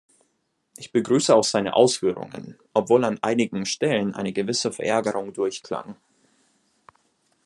Ich begrüße auch seine Ausführungen, obwohl an einigen Stellen eine gewisse Verärgerung durchklang.